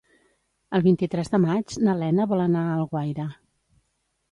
El vint-i-tres de maig na Lena vol anar a Alguaire.